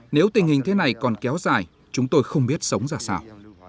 nếu tình hình thế này còn kéo dài chúng tôi không biết sống ra sao